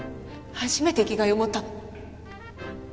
初めて生き甲斐を持ったの。